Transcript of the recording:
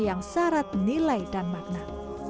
yang syarat nilai dan makna